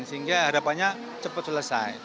sehingga harapannya cepat selesai